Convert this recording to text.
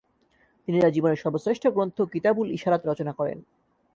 তিনি তার জীবনের সর্বশ্রেষ্ঠ গ্রন্থ কিতাবুল ইশারাত রচনা করেন।